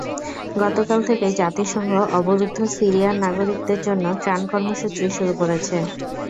গতকাল থেকেই জাতিসংঘ অবরুদ্ধ সিরিয়ার নাগরিকদের জন্য ত্রাণ কর্মসূচি শুরু করেছে।